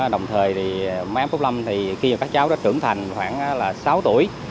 đồng thời mấy em phúc lâm khi các cháu trưởng thành khoảng sáu tuổi